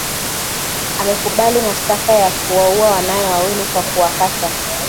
amekubali mashtaka ya kuwaua wanawe wawili kwa kuwakata